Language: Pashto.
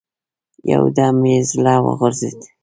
يو دم مې زړه وغورځېد.